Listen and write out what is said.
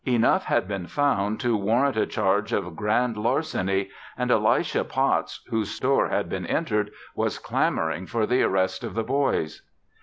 Enough had been found to warrant a charge of grand larceny and Elisha Potts, whose store had been entered, was clamoring for the arrest of the boys.